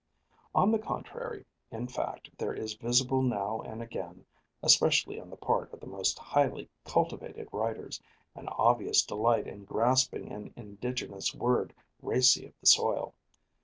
On the contrary, in fact, there is visible now and again, especially on the part of the most highly cultivated writers, an obvious delight in grasping an indigenous word racy of the soil.